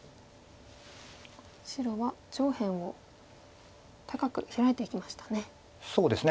白は上辺を高くヒラいていきましたね。